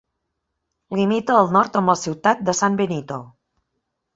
Limita al nord amb la ciutat de San Benito.